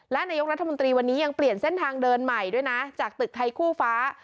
และนายกรัฐมนตรีวันนี้ยังเปลี่ยนเส้นทางเดินใหม่ด้วยนะจากตึกไทยคู่ฟ้า